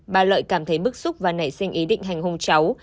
bà lợi cảm thấy bức xúc và nảy sinh ý định hành hung cháu